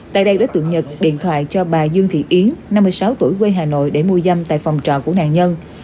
tại đây đối tượng nhật điện thoại cho bà dương thị yến năm mươi sáu tuổi quê hà nội để mua dâm tại phòng trọ của nạn nhân